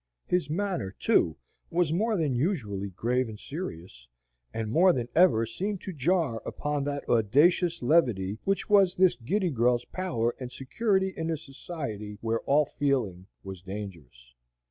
His manner, too, was more than usually grave and serious; and more than ever seemed to jar upon that audacious levity which was this giddy girl's power and security in a society where all feeling was dangerous.